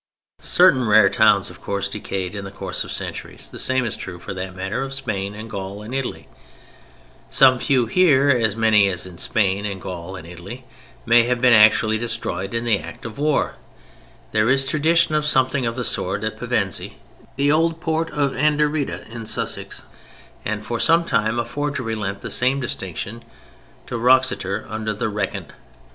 Certain rare towns, of course, decayed in the course of centuries: the same is true, for that matter, of Spain and Gaul and Italy. Some few here (as many in Spain, in Gaul and in Italy) may have been actually destroyed in the act of war. There is tradition of something of the sort at Pevensey (the old port of Anderida in Sussex) and for some time a forgery lent the same distinction to Wroxeter under the Wrekin.